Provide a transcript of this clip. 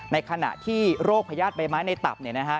ในขณะที่โรคพยาศตร์ใบไม้ในตับเนี่ยนะฮะ